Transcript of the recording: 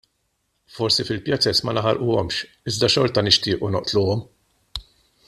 Forsi fil-pjazez ma naħarquhomx, iżda xorta nixtiequ noqtluhom!